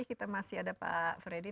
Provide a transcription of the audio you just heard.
kita masih ada pak freddy